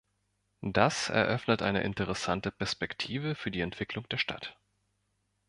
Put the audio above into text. Das eröffnet eine interessante Perspektive für die Entwicklung der Stadt.